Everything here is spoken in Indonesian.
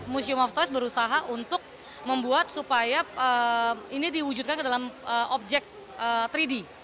museum of this berusaha untuk membuat supaya ini diwujudkan ke dalam objek tiga d